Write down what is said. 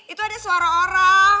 itu ada suara orang